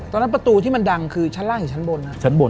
ตอนนั้นประตูที่มันดังคือชั้นล่างหรือชั้นบน